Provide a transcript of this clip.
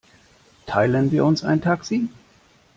Teilen wir uns ein Taxi?